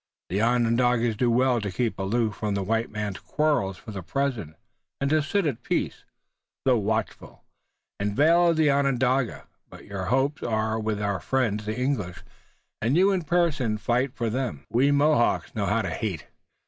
The Onondagas do well to keep aloof from the white man's quarrels for the present, and to sit at peace, though watchful, in the vale of Onondaga, but your hopes are with our friends the English and you in person fight for them. We Mohawks know whom to hate.